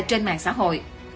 trên mạng xã hội